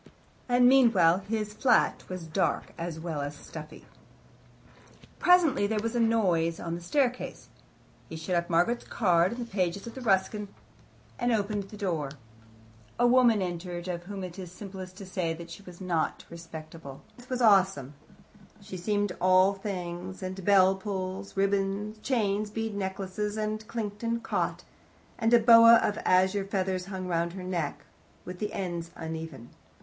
And meanwhile, his flat was dark, as well as stuffy. Presently there was a noise on the staircase. He shut up Margaret's card in the pages of Ruskin, and opened the door. A woman entered, of whom it is simplest to say that she was not respectable. Her appearance was awesome. She seemed all strings and bell pulls ribbons, chains, bead necklaces that clinked and caught and a boa of azure feathers hung round her neck, with the ends uneven.